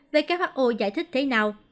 who giải thích thế nào